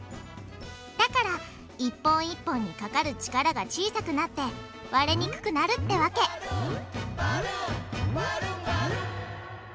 だから一本一本にかかる力が小さくなって割れにくくなるってわけへぇ。